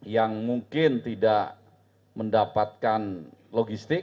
yang mungkin tidak mendapatkan logistik